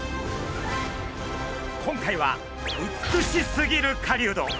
今回は「美しすぎる狩人」